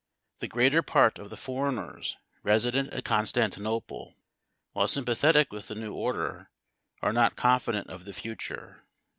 The greater part of the foreigners resident at Constantinople, while sympathetic with the new order, are not confident of the future.